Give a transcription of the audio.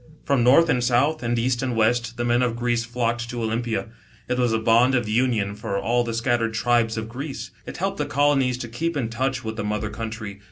From north and south, and east and west, the men of Greece flocked to Olympia. It Was a bond of \mion, for all the scattered tribes of Greece. It helped the colonies to keep in touch with the mother country.